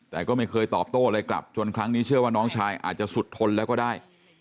แต่ก็ไม่เคยตอบโต้อะไรกลับจนครั้งนี้เชื่อว่าน้องชายอาจจะสุดทนแล้วก็ได้